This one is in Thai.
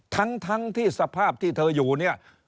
ทั้งที่สภาพที่เธออยู่เนี่ย